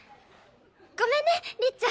ごめんねりっちゃん！